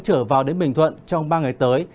trở vào đến bình thuận trong ba ngày tới